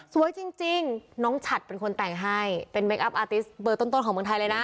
สวยจริงน้องฉัดเป็นคนแต่งให้เป็นเคคอัพอาติสเบอร์ต้นของเมืองไทยเลยนะ